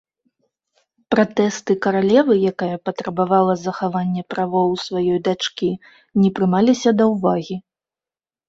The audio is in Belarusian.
Пратэсты каралевы, якая патрабавала захаванне правоў сваёй дачкі, не прымаліся да ўвагі.